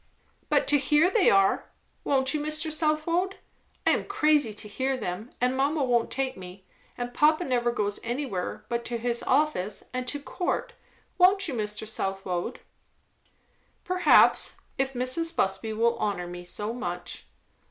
"But to hear, they are. Won't you, Mr. Southwode? I am crazy to hear them, and mamma won't take me; and papa never goes anywhere but to his office and to court; won't you, Mr. Southwode?" "Perhaps; if Mrs. Busby will honour me so much."